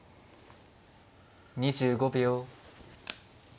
２５秒。